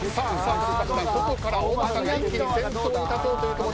外から、おばたが一気に先頭に立とうというところ。